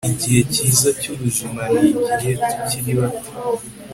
Igihe cyiza cyubuzima nigihe tukiri bato